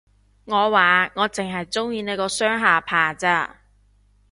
我話，我剩係鍾意你個雙下巴咋